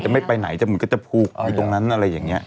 ไม่ไปไหนจะเหมือนกันจะผูกอยู่ตรงนั้นอะไรอย่างนี้